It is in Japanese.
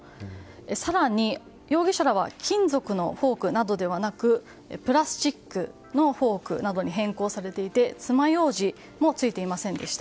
更に容疑者らは金属のフォークなどではなくプラスチックのフォークなどに変更されていてつまようじもついていませんでした。